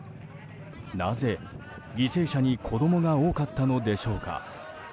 なぜ、犠牲者に子供が多かったのでしょうか。